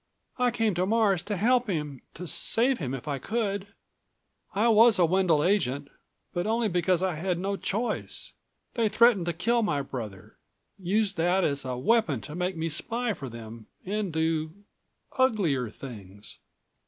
I came to Mars to help him, to save him if I could. I was a Wendel agent, but only because I had no choice. They threatened to kill my brother ... used that as a weapon to make me spy for them and do uglier things."